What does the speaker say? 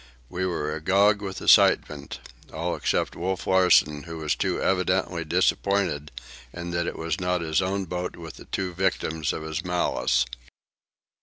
We were agog with excitement, all except Wolf Larsen, who was too evidently disappointed in that it was not his own boat with the two victims of his malice.